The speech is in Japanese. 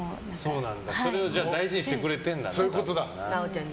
それを大事にしてくれてるんだね。